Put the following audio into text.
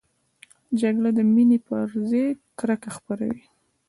جګړه د مینې پر ځای کرکه خپروي